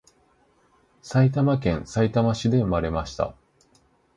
埼玉県さいたま市で産まれました